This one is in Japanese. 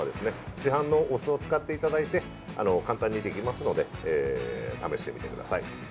市販のお酢を使っていただいて簡単にできますので試してみてください。